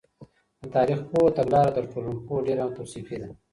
د تاریخ پوه تګلاره تر ټولنپوه ډېره توصیفي ده.